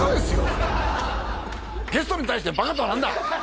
ゲストに対してバカとは何だ！